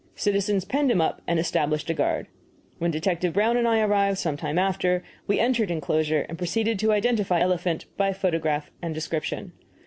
Citizens penned him up and established a guard. When Detective Brown and I arrived, some time after, we entered inclosure and proceeded to identify elephant by photograph and description.